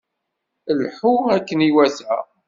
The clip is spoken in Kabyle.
Lḥu akken iwata!